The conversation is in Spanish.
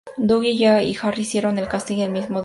Dougie y Harry hicieron el casting el mismo día.